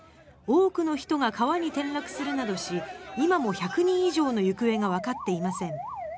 多くの人が川に転落するなどし今も１００人以上の行方がわかっていません。